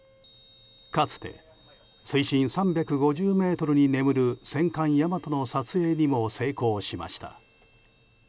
かつて水深３５０ｍに眠る戦艦「大和」の撮影にも成功しました。